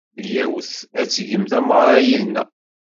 Iyyawet ad tgem tameɣra yid-neɣ.